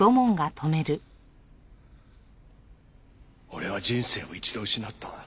俺は人生を一度失った。